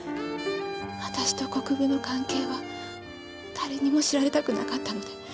私と国分の関係は誰にも知られたくなかったので。